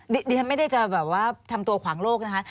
พี่ทำไม่ได้จะทำตัวขวางโลกนะคะ